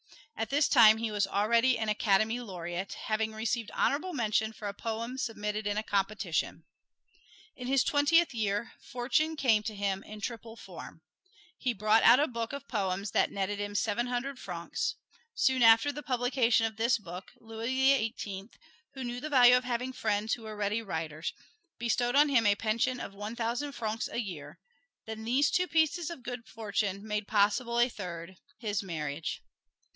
At this time he was already an "Academy Laureate," having received honorable mention for a poem submitted in a competition. In his twentieth year, fortune came to him in triple form: he brought out a book of poems that netted him seven hundred francs; soon after the publication of this book, Louis the Eighteenth, who knew the value of having friends who were ready writers, bestowed on him a pension of one thousand francs a year; then these two pieces of good fortune made possible a third his marriage.